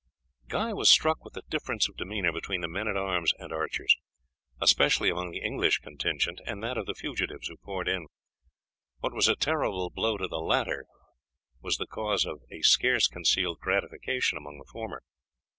Guy was struck with the difference of demeanour between the men at arms and archers, especially among the English contingent, and that of the fugitives who poured in. What was a terrible blow to the latter was the cause of a scarce concealed gratification among the former.